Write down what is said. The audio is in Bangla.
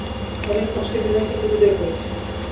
অনেক কষ্টে বিনয়কে তো বিদায় করেছি।